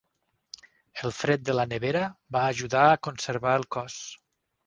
El fred de la nevera va ajudar a conservar el cos.